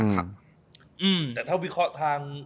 แต่ถ้าวิเคราะห์ทาง